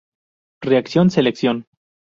Reacción selección.